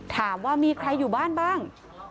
ถามว่ามีใครอยู่บ้านบ้าง